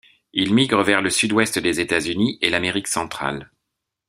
Il migre vers le sud-ouest des États-Unis et l'Amérique centrale.